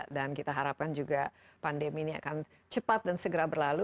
dan kita harapkan juga pandemi ini akan cepat dan segera berlalu